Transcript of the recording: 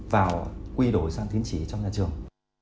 vào quy đổi sáng tiến trí trong nhà trường